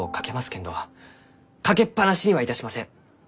けんどかけっぱなしにはいたしません。